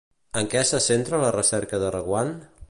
En què se centra la recerca de Reguant?